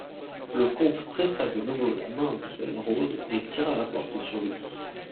Le comte pressa de nouveau la main de Belle-Rose et tira la porte sur lui.